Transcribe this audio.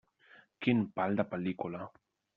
Quin pal de pel·lícula.